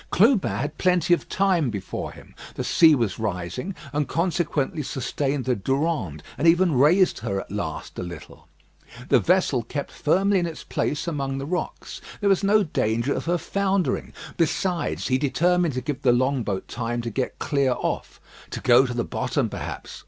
Clubin had plenty of time before him. The sea was rising, and consequently sustained the Durande, and even raised her at last a little. The vessel kept firmly in its place among the rocks; there was no danger of her foundering. Besides, he determined to give the long boat time to get clear off to go to the bottom, perhaps.